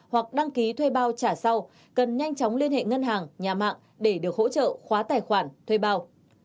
hoặc đăng ký thuê bao trả sau cần nhanh chóng liên hệ ngân hàng nhà mạng để được hỗ trợ khóa tài khoản thuê bao